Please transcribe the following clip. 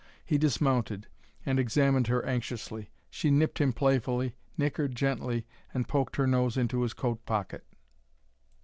He dismounted, and examined her anxiously. She nipped him playfully, nickered gently, and poked her nose into his coat pocket.